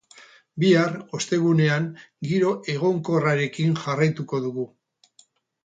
Bihar, ostegunean, giro egonkorrarekin jarraituko dugu.